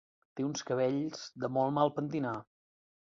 Té uns cabells de molt mal pentinar.